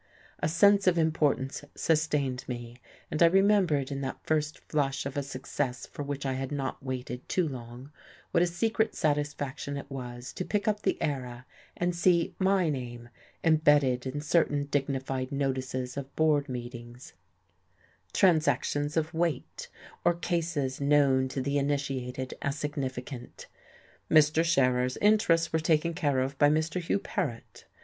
A sense of importance sustained me; and I remember in that first flush of a success for which I had not waited too long what a secret satisfaction it was to pick up the Era and see my name embedded in certain dignified notices of board meetings, transactions of weight, or cases known to the initiated as significant. "Mr. Scherer's interests were taken care of by Mr. Hugh Paret."